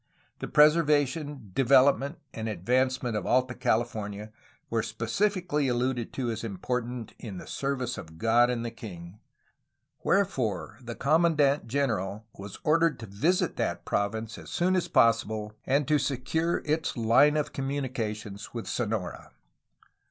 The preservation, development, and advancement of Alta California were specifically alluded to as important ''in the service of God and of the king," wherefore the commandant general was ordered to visit 320 A HISTORY OF CALIFORNIA that province as soon as possible and to secure its line of communications with Sonora.